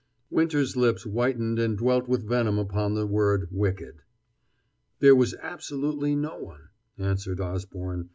Winter's lips whitened and dwelt with venom upon the word "wicked." "There was absolutely no one," answered Osborne.